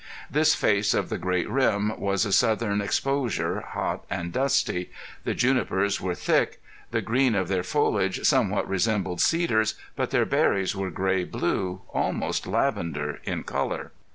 This face of the great rim was a southern exposure, hot and dusty. The junipers were thick. The green of their foliage somewhat resembled cedars, but their berries were gray blue, almost lavender in color.